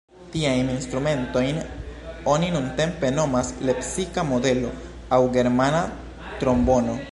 Tiajn instrumentojn oni nuntempe nomas "lepsika modelo" aŭ "germana trombono".